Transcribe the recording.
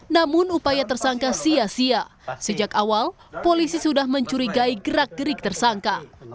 namun upaya tersangka sia sia sejak awal polisi sudah mencurigai gerak gerik tersangka